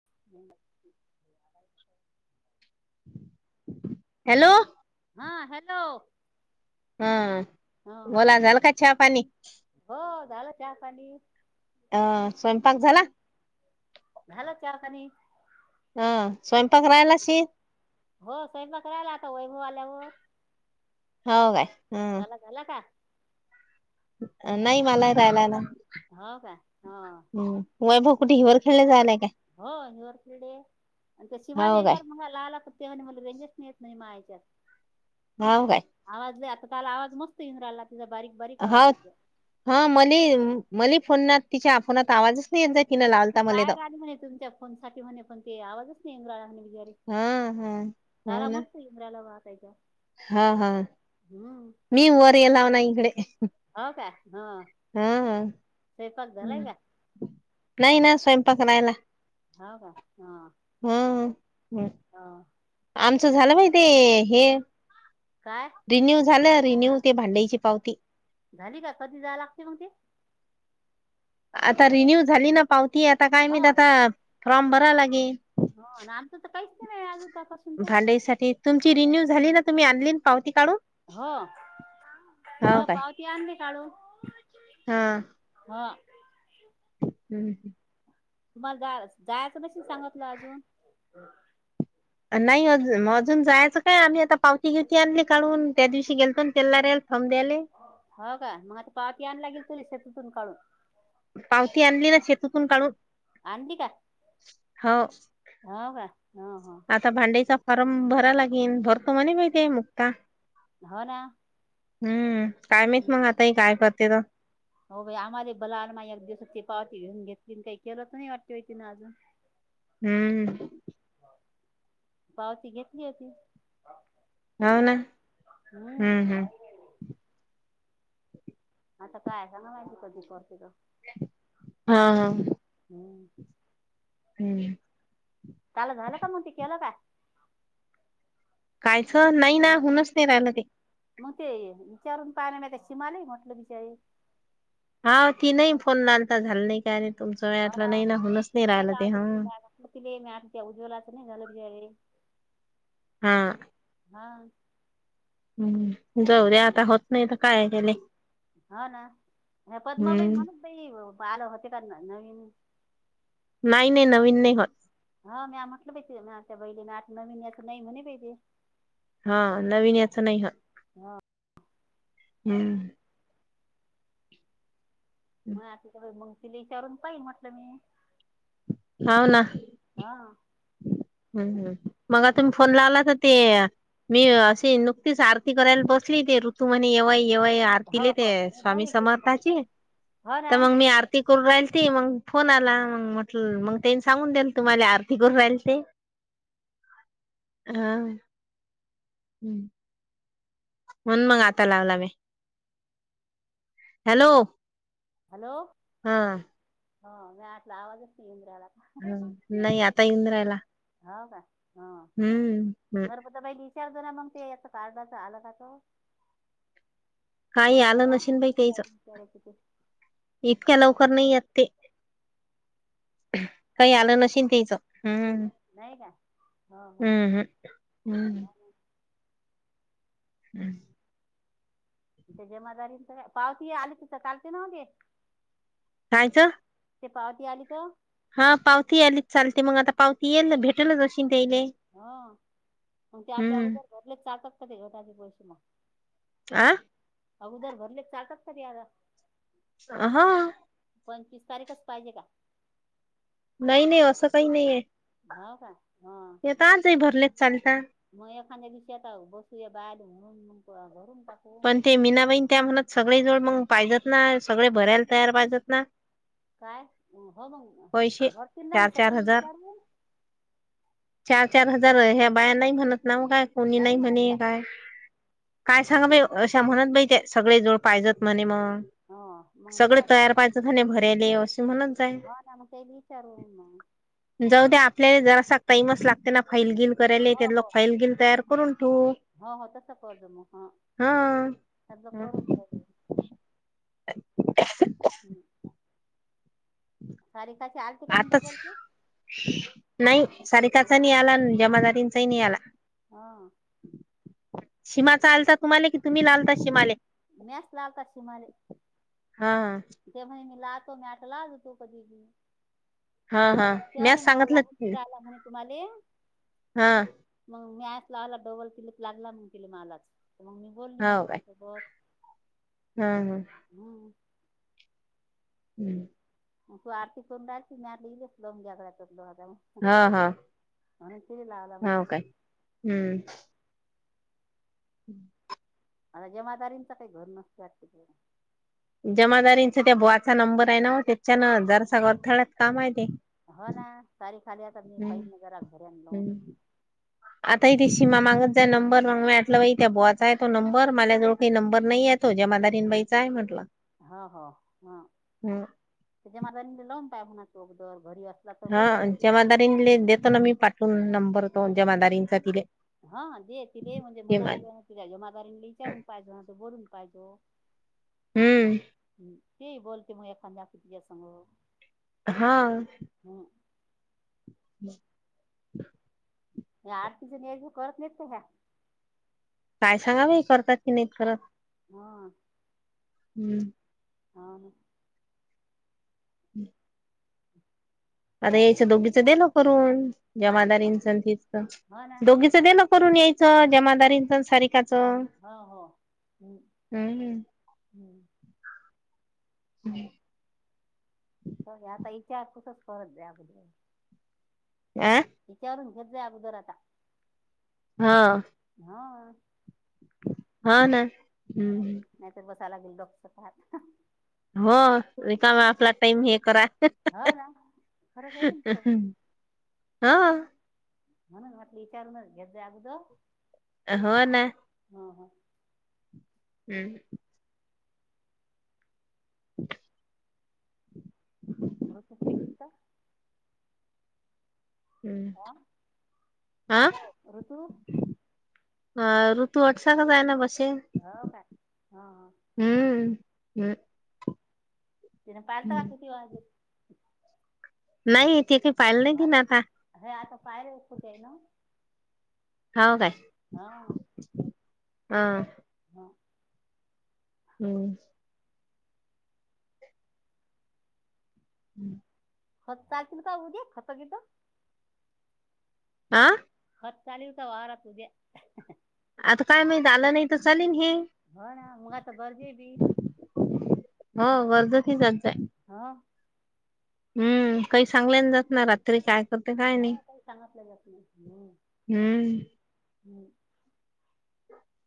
[unintelligible] Hello. हा hello. हा ह बोला झाल का चहापाणी? हो झालं चहापाणी. अ स्वयंपाक झाला? झालं चहा पाणी हा स्वयं हो स्वयंपाक कराईल आता वैभव आल्यावर. [unintelligible] झाला झाला का? [unintelligible] हो का हा. [unintelligible] हो [unintelligible] काय [unintelligible] हो काय आवाज आता त्याला आवाज मस्त इंद्राला हा हा मली मली फोनना तिच्या फोनात आवाजच नाही येत जाय तिनं लावलता मले तर [unintelligible] हा हा हो ना [unintelligible] [unintelligible] हम्म [unintelligible] हा [unintelligible] [unintelligible] हा [unintelligible] [unintelligible] [unintelligible] काय रिन्यू ते भांड्यानची पावती. झाली का कधी जाय लागते मग ते? आता रिन्यू झाली ना पावती आता काय हो म आता फॉर्म भरा लागेल. भांडाईसाठी [unintelligible] तुमची रिन्यू झाली ना तुम्ही आणली ना पावती. काढून? हो हाव हो काय? पावती आणली काढून. हा. हा. [unintelligible] तुम्हाला जा जायचं बस सांगतलं अजून. नाही अजग अजून जायचं काय आम्ही आता पावती घेवती आणली काढून. [unintelligible] [unintelligible] पावती आणली ना शेततून काढून आणली का हो हो का. हो हो आता भांड्याचा फार्म भरायला लागेल भरतो म्हणे मुक्ता. हो ना. हम्म काय माहित मग हम्म. आता ह. काय करते. तर हो बाई आम्हाला भला अमा दिवसाची पावती घेऊन घेतली काही केलं तर नाही वाटते होती ना अजून. हम्म, पावती घेतली होती. हो तीन्या ना. हम् हम्म हम्म आता काय माहित कधी करती तर. हा हा हम्म हम्म, त्याला झालं का मग ते केलं का. कायचं नाही ना हो होईनच नाही राहिलं ते मग ते विचारून पहिल्या सीमा ले म्हटलं विषय हा ती नाही फोन [unintelligible] झाल नाही का हो ना नाही का आता हा त त मी आता त्या उज्वलाच नाही झालंे [unintelligible] हा हा हम्म जाऊआता होत नाही तर काय केले. हा ना हे पद्माबाई हम्म म्हणून बाई आलं होते का. त्यांना क नाही [inaudible] काही नाही नवीन नाही होतं. हा म्या म्हटलं पाहिजे त्या बाईले आता नवीन याच नाही म्हणे ते. हा नवीन याचा नाही. हा. हा हम्म, मग [unintelligible] मंग तिली विचवरून पाहिन म्हटलं मी हवं ना. हा हम् हम् मग आ तुम्ही फोन लावला. का. ते मी अशी नुकतीच आरती करायला बसली ते ऋतू आणि येवई. एव्हा हो आरतीले ते हो नाही, स्वामी बरी केली समर्थाची हो ना तर मग मी आरती करून राहिल. ते मग फोन आला मग म्हटलं मग तेनी सांगू देलं तुम्हाला आरती करून राहिल ते. हा हम्. म्हणून मग आता लावला मी हॅलो! हॅलो हा हा मी आतला आवाजच नाही इंनर याला यला ह नाही आता येऊन रायला. का हो का. हम्म हम्म. विचार जरा मग ते या कार्डाचा आला का त. काही आलं नशन बाई त्याच विचारायची ते इतक्या लवकर नाही ये ते. काही हो आलं नशन तचं हम्म. नाही का हो हो हम्म हम् हम्. हम् जमादारी पावती आली तिथं चालते काल नव्हते कायच. ते पावती आली का. हा पावती आलीचं चालते. मग आता पावती येईल ना भेटलच अशी. त्याले हा मग ते आपल्या हम्म अगोदर घरलेच चालता का ते गटाचे पैशे माग. आं. अगोदर भरले चालतात तरी या ह हा पंचवीस तारीखच पाहिजे का नाही नाही असं काही नाही आहे हो का हं हेता आज भरलेत चालत खाण्या बषता बसू या बाहेर होून घरून पण ते मीनाबाईण त्या म्हनात सगळे जवळ मग पाहिजत ना सगळे भरायला तयार पाहिजत ना काय हो मग पैसे भरतील ना मग चार चार सगळं हजार विचारून चार चार हजार ह्या बाया नाही म्हणत नाव काय कोणी नाही म्हणत म्हणे का काय काय सांगा बाई अशा म्हणत बाई ते सगळे जोड पाहिजत म्हणे मग हो मग सगळ काय तयार त्याला पाहिजं झाने भरले असे म्हणत जाय हो ना मग त्याला विचारून मग जाऊ आपल्याला जरा टाईमच लागते ना फैलगिल करायला हो त्यातला हो फैलगिल तयार करून ठू हो हो तसं कत मग ह करून ठ [unintelligible] हम्म आताच डबलचे नाही साारकाचानी आला जमा जात तनच नाही याला हा शिमा आलता तुम्हाला कि तुम्ही लालता शीमाले म्याच लावता शिमाले हा ते म्हणे मी लातो मी आठ लाजतो कधीी हा हा मी त्यावने माझ्या लागून सांगितलं राला म्हणे तुम्हाला हा. मंग मी ऐला आला डबल पिलक लागला मग के मलाच मग मी बोलली [unintelligible] ह ह. हम्म हम्म. ग तू आरती कोंडा मी ल लो्या [unintelligible] हा हा. लावला मग हाव काय हम्म. हम्म [inaudible] आता जमादारींच काही घर नसत जमादारींचा त्या बोवाचा नंबर आहे ना त्याच्यान हजार सवा अथळ्यात काम आहे ते हो ना, [unintelligible] तारी खाली आता मी हम्म पहि जर घर आणल थिमा मागत जाय नंबर माग मी म्हटलं बाई त्या बोवाचा आहे तो नंबर माझ जवळ काही नंर नाहीे तो जमादारीन बाई तीया ये म्हटलं. ह हो हा हम्म. त्याच्या म लावून पाय म्हणातोगदर घरी अस हा जमादारींले देतो ना, मी पाठून नंबर तो जमादारींचा तिले. हा दे तिले म्हणजे म्हणातल क तिझ जमादारीन ले ईचारून पाहिजो न, त बोलून पाहिजो. हम्म. ते बोलते मग एखाद्या [unintelligible] कतीच्या सग. हा. हम [unintelligible] आरती जन ये करत नि ही का काय '? काय सांगावें बईकरतात की नाहीत करत. हम्म. हा. हम्म. आता याचं दोघीचं देन करून हा जमादारींच तीच हो ना दोघीचं देन करूनयायच जमादारीच आण सारीकाच. हा ह हम्म. ह [unintelligible] आता इचार पुस परत जा [unintelligible] अ तिच्यावरून घेत जा अगोदर आता हा. हा ना हम्म. नाहीतर लागेल डॉक्स का चा [unintelligible] हो रिकाम आपला टाईम हे करा. हो ना खरंच आहे का ह. म्हणून म्हटलं विचारून घेत जा अगुदर हो ना, हम्म हम्म. [inaudible] तूकुट गेसता [unintelligible] हम्म हा हा हॅलो ऋतु अ ऋतू अटसाकच आहे ना बसे, हो काय हा हा हम्म. [unintelligible] हमम. तिने पाहिल तर का किती वाजले. नाही ते चे झालं हे आता पायर एक कूठ आहे ना, हव काय हा हा. [inaudible] हम्म. हम्म. खतल का होद्या खत केत आह पत् चास का वाार तूुझ्या आता काय माहित आलं नाही तर चालेल हे हो ना मग आता बरजे भी हो गरजचि चालतंय आा हम्म काही सांगल्यान जात ना रात्री काय करते काय हा नाही काही सांगतलं जात नाही हम्म हम्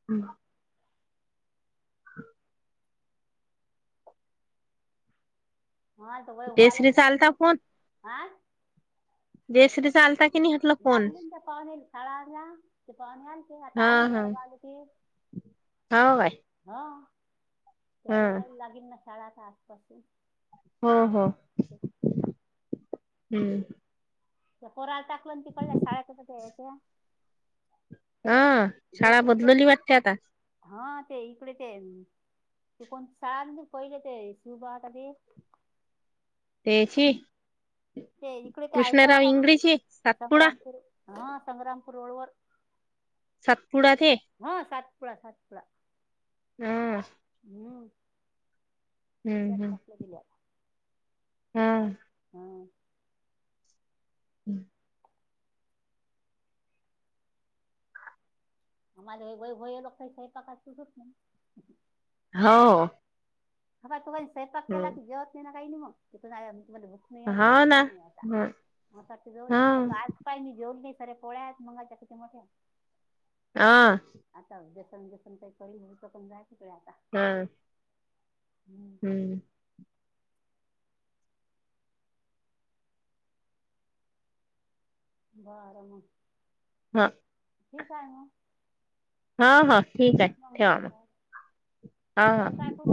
हम्म [inaudible] हा तल जयश्रीचा आलता आं [unintelligible] जसरी चालता लागली त्या पाहुणे खळाला ते पाहुणे आल ते हा आता आली हा गळगल ते [unintelligible] हो बाय हो ते पोरायला लागेल ना शाळा आता आसपासून हो हो हम्म पोराला टाकलं ती कळल्या शाळत याच्या हा शाळा जयश्रीच्या बदलेली वाट त्याता हा ते इकडे ते तेहे म ते कोण सार पहिले ते सुुभातध ते तेची ते इकडे ते आईच्यावर आहे ना इंगळेची सातपुडा संग्रामपूर हा संग्रामपूर रोड वर सातपुडा ते सपळा साातपळा हम् हम् त्या हम्म टलं दिेलेला हम् हा हम्म आमझ वय हो लो खयस प्रकाच त हो अ का तु का स्वयपाक केला की हम्म जेवत नाही ना काही नाही मग तिथून म भूक नाही आता हा ना नाही आता ह म रो हा आता का पाय मी जेऊ खरे पोळ्या आहेत मंगायच्या किती मोठ्या हह समजेम काही करी होऊ पण जा हम्म हम्म बार हा ठी काय ना हा हा ठीक आहे बोर ठेवा मग हा हा का कु